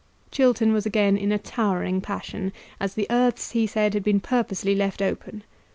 Chiltern was again in a towering passion, as the earths, he said, had been purposely left open.